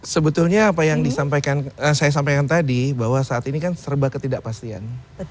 sebetulnya apa yang saya sampaikan tadi bahwa saat ini kan serba ketidakpastian